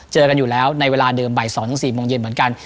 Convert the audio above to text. เจอกันอยู่แล้วในเวลาเดิมบ่าย๒๔โมงเย็นเหมือนกัน